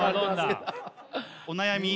お悩み